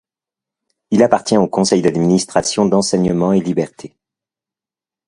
Il appartient au conseil d'administration d'Enseignement et Liberté.